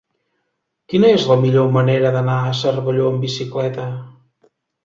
Quina és la millor manera d'anar a Cervelló amb bicicleta?